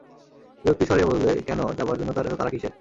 বিরক্তির স্বরে বললে, কেন, যাবার জন্যে তার এত তাড়া কিসের?